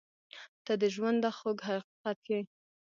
• ته د ژونده خوږ حقیقت یې.